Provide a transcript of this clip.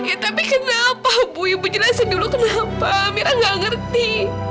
oke tapi kenapa bu ibu jelasin dulu kenapa mira nggak ngerti